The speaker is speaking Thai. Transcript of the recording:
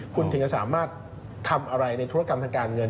คุณถึงจะสามารถทำอะไรในธุรกรรมทางการเงิน